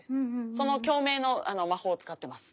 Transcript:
その共鳴の魔法を使ってます。